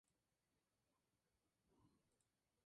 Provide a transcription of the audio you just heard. En forma de plancha.